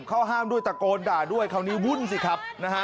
เข้าห้ามด้วยตะโกนด่าด้วยคราวนี้วุ่นสิครับนะฮะ